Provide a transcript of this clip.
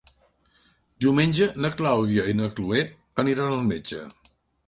Diumenge na Clàudia i na Cloè aniran al metge.